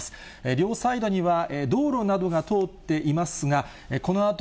両サイドには、道路などが通っていますが、このあと、